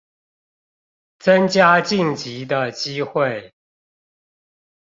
增加晉級的機會